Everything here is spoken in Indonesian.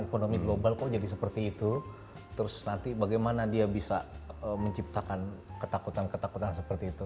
ekonomi global kok jadi seperti itu terus nanti bagaimana dia bisa menciptakan ketakutan ketakutan seperti itu